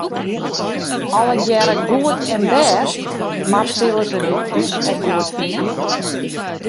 Allegearre goed en bêst, mar sille se dit thús ek goed fine?